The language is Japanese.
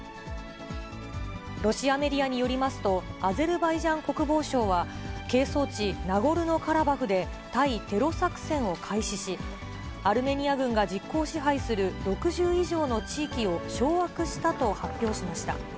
ロシアメディアによりますと、アゼルバイジャン国防省は、係争地ナゴルノカラバフで対テロ作戦を開始し、アルメニア軍が実効支配する６０以上の地域を掌握したと発表しました。